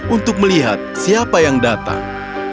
untuk melihat siapa yang datang